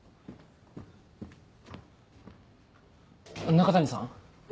中谷さん。